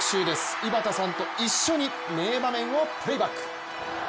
井端さんと一緒に名場面をプレーバック。